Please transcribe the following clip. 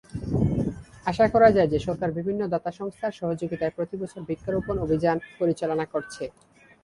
আশা করা যায় যে সরকার বিভিন্ন দাতা সংস্থার সহযোগিতায় প্রতিবছর বৃক্ষরোপণ অভিযান পরিচালনা করছে।